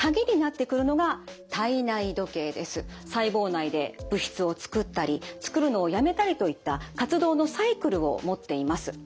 細胞内で物質を作ったり作るのをやめたりといった活動のサイクルを持っています。